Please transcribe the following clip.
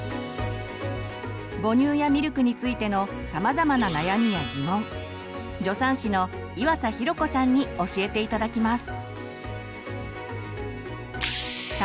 母乳やミルクについてのさまざまな悩みやギモン助産師の岩佐寛子さんに教えて頂きます。